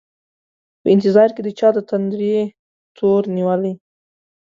په انتظار کي د چا دتندري تور نیولي